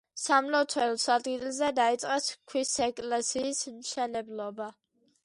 სამლოცველოს ადგილზე დაიწყეს ქვის ეკლესიის მშენებლობა.